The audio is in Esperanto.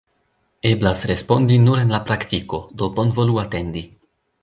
Eblas respondi nur en la praktiko, do bonvolu atendi.